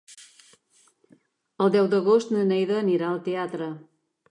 El deu d'agost na Neida anirà al teatre.